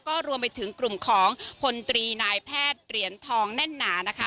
ก็รวมไปถึงกลุ่มของพลตรีนายแพทย์เหรียญทองแน่นหนานะคะ